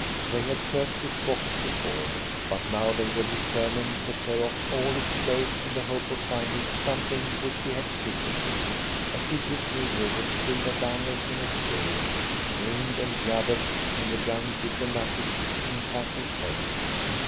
They had searched his pockets before, but now they were determined to tear off all his clothes in the hope of finding something which he had secreted. A hideous negro with silver bangles in his ears, grinned and jabbered in the young diplomatist's impassive face.